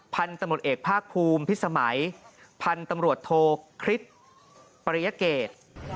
พันธุ์ตำรวจเอกภาคภูมิพิสมัยพันธุ์ตำรวจโทคริสปริยเกต